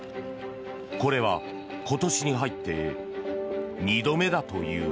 これは今年に入って２度目だという。